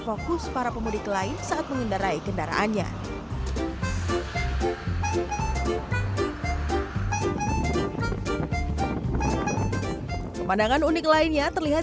fokus para pemudik lain saat mengendarai kendaraannya pemandangan unik lainnya terlihat